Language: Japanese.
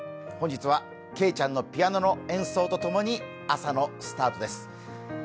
本日はけいちゃんのピアノの演奏と共に朝のスタートです。